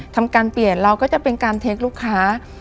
ทำการเปลี่ยนเราก็จะเป็นการเทคลูกค้า